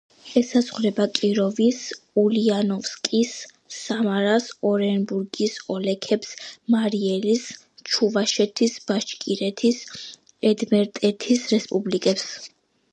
ესაზღვრება კიროვის, ულიანოვსკის, სამარას, ორენბურგის ოლქებს, მარი-ელის, ჩუვაშეთის, ბაშკირეთის, უდმურტეთის რესპუბლიკებს.